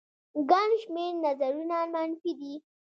ګڼ شمېر نظرونه منفي دي